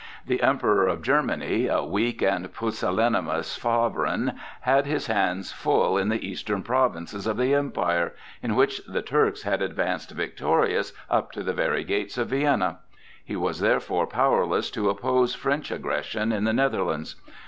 The Emperor of Germany, a weak and pusillanimous sovereign, had his hands full in the eastern provinces of the Empire, in which the Turks had advanced victorious up to the very gates of Vienna; he was therefore powerless to oppose French aggression in the Netherlands.